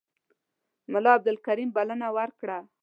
ملا عبدالکریم بلنه ورکړه.